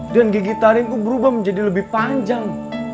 dan gigi tarimku berubah menjadi lebih panjang